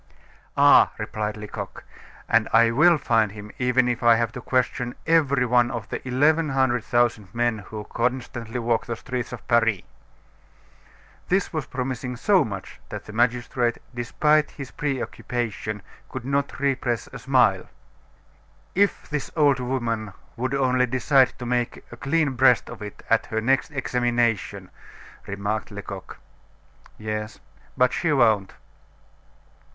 "Ah!" replied Lecoq, "and I will find him even if I have to question every one of the eleven hundred thousand men who constantly walk the streets of Paris!" This was promising so much that the magistrate, despite his preoccupation, could not repress a smile. "If this old woman would only decide to make a clean breast of it at her next examination!" remarked Lecoq. "Yes. But she won't."